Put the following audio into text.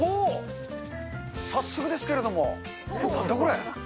早速ですけれども、なんだこれ？